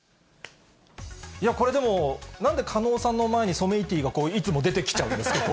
いや、でもなんで狩野さんの前にソメイティがいつも出てきちゃうんです